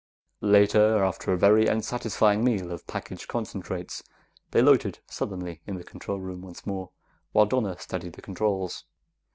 Later, after a very unsatisfactory meal of packaged concentrates, they loitered sullenly in the control room once more while Donna studied the controls.